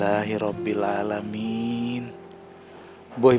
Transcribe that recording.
eh gitu lah abah